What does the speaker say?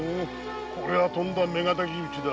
これはとんだ女敵討ちだ。